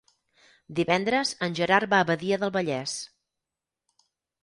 Divendres en Gerard va a Badia del Vallès.